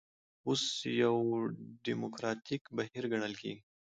اوس یو ډیموکراتیک بهیر ګڼل کېږي.